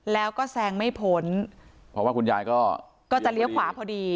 แล้วก็แซงไม่พ้นเพราะว่าคุณยายก็ก็จะเลี้ยวขวาพอดี